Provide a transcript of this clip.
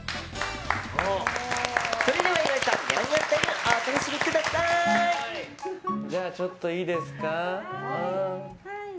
それでは岩井さんニャンニャンタイムじゃあ、ちょっといいですか。